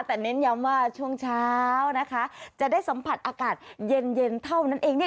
แต่เน้นย้ำว่าช่วงเช้านะคะจะได้สัมผัสอากาศเย็นเท่านั้นเองเนี่ย